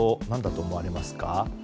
何だと思われますか？